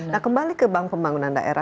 nah kembali ke bank pembangunan daerah